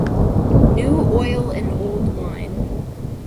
New oil and old wine.